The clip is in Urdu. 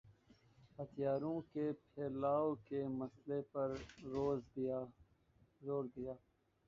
ہتھیاروں کے پھیلاؤ کے مسئلے پر زور دیا